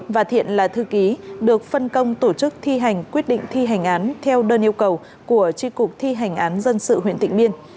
và thiện là thư ký được phân công tổ chức thi hành quyết định thi hành án theo đơn yêu cầu của tri cục thi hành án dân sự huyện tỉnh biên